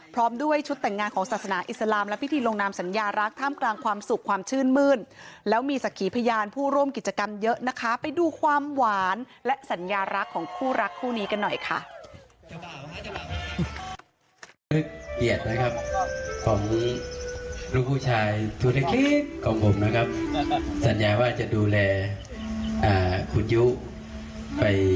พร้อมด้วยชุดแต่งงานของศาสนาอิสลามและพิธีลงนามสัญญารักท่ามกลางความสุขความชื่นมื้นแล้วมีสักขีพยานผู้ร่วมกิจกรรมเยอะนะคะไปดูความหวานและสัญญารักของคู่รักคู่นี้กันหน่อยค่ะ